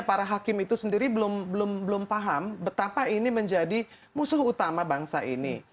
karena para hakim itu sendiri belum paham betapa ini menjadi musuh utama bangsa ini